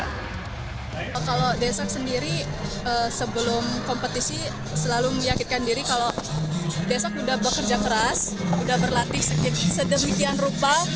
kalau desak sendiri sebelum kompetisi selalu meyakinkan diri kalau desak sudah bekerja keras sudah berlatih sedemikian rupa